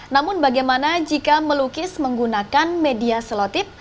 namun bagaimana jika melukis menggunakan media selotip